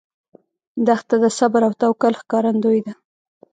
دښته د صبر او توکل ښکارندوی ده.